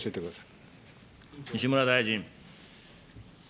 西村大臣。